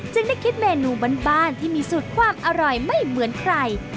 ได้คิดเมนูบ้านที่มีสูตรความอร่อยไม่เหมือนใคร